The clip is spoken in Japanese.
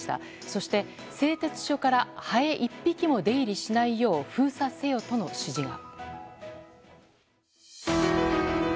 そして製鉄所からハエ１匹も出入りしないよう封鎖せよとの指示が。